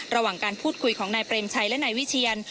ระหว่างการพูดคุยของนายเปรมชัยและนายวิเชียน